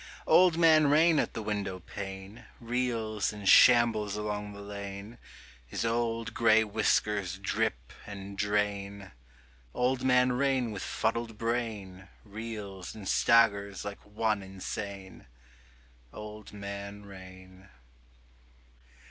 Old Man Rain at the windowpane Reels and shambles along the lane: His old gray whiskers drip and drain: Old Man Rain with fuddled brain Reels and staggers like one insane. Old Man Rain.